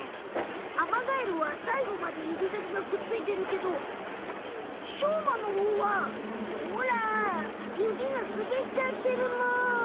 アマガエルはさいごまでゆびさきがくっついてるけどしょうまのほうはほらゆびがすべっちゃってるむ。